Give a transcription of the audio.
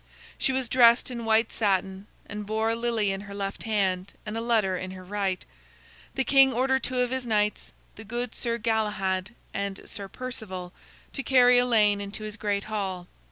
She was dressed in white satin, and bore a lily in her left hand and a letter in her right. The king ordered two of his knights, the good Sir Galahad and Sir Perceval, to carry Elaine into his great hall.